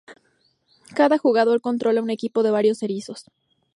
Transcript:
Cada jugador controla un equipo de varios erizos.